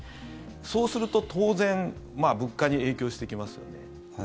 そうすると当然物価に影響してきますよね。